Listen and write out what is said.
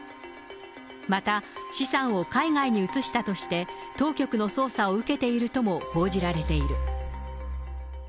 また資産を海外に移したとして、当局の捜査を受けているとも報じられている。